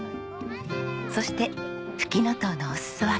そしてフキノトウのお裾分けです。